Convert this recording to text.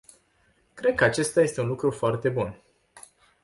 Cred că acesta este un lucru foarte bun.